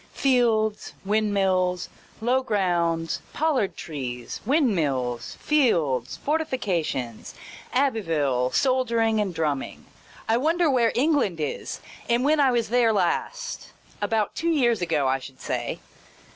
Fields, windmills, low grounds, pollard trees, windmills, fields, fortifications, Abbeville, soldiering and drumming. I wonder where England is, and when I was there last — about two years ago, I should say.